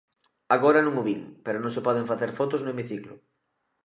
Agora non o vin, pero non se poden facer fotos no hemiciclo.